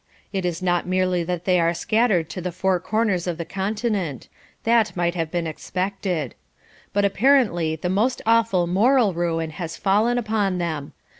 It is not merely that they are scattered to the four corners of the continent. That might have been expected. But, apparently, the most awful moral ruin has fallen upon them.